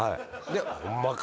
ホンマか？